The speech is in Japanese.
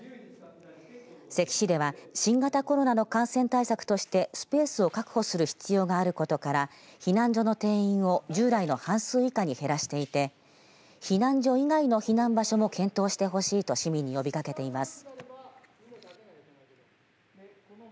関市では新型コロナの感染対策としてスペースを確保する必要があることから避難所の定員を従来の半数以下に減らしていて避難所以外の避難場所も検討してほしいと市民に呼びかけています。